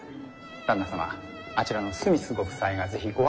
旦那様あちらのスミスご夫妻が是非ご挨拶をと。